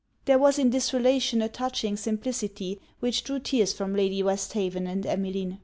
_' There was in this relation a touching simplicity which drew tears from Lady Westhaven and Emmeline.